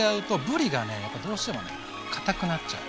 やっぱどうしてもね堅くなっちゃう。